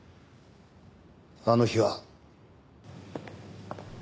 あの日は。